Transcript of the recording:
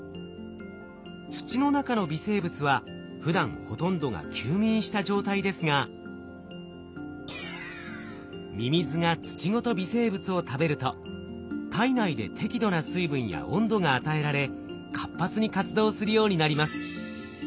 土の中の微生物はふだんほとんどが休眠した状態ですがミミズが土ごと微生物を食べると体内で適度な水分や温度が与えられ活発に活動するようになります。